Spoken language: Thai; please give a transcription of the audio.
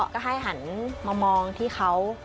ก็ให้หันมามองที่เขา